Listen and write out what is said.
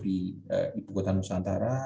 di ibu kota nusantara